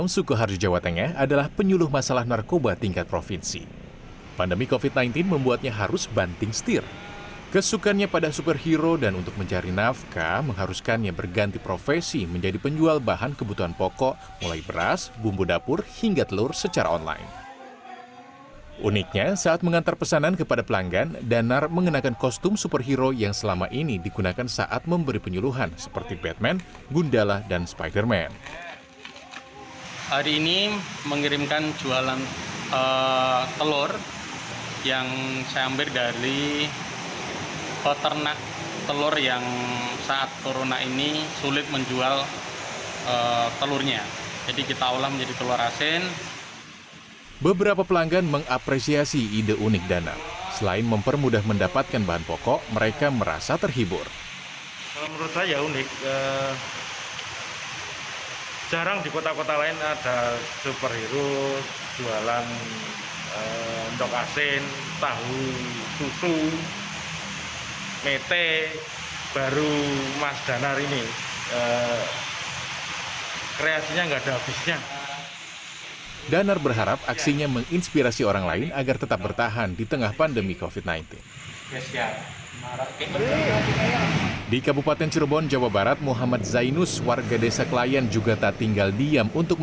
zainus berharap pandemi covid sembilan belas cepat berlalu